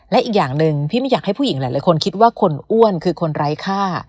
และอีกอย่างหนึ่งพี่ไม่อยากให้ผู้หญิงหลายคนคิดว่าคนอ้วนคือคนไร้ค่า